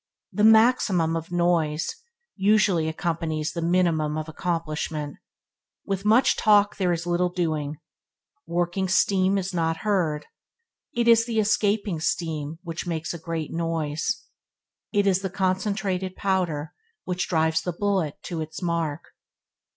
The maximum of noise usually accompanies the minimum of accomplishment. With much talk there is little doing. Working steam is not heard. It is the escaping steam which makes a great noise. It is the concentrated powder which drives the bullet to its mark.